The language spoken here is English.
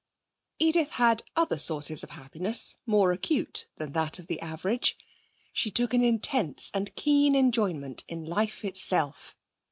Edith had other sources of happiness more acute than that of the average. She took an intense and keen enjoyment in life itself.